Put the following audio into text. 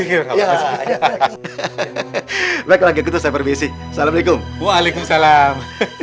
ya ya ya ya ya contract setujuan permisi salam alaikum waalaikumsalam